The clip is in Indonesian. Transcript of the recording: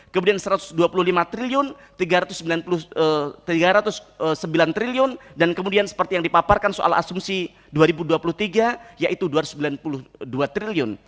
kemudian rp satu ratus dua puluh lima triliun tiga ratus sembilan triliun dan kemudian seperti yang dipaparkan soal asumsi dua ribu dua puluh tiga yaitu rp dua ratus sembilan puluh dua triliun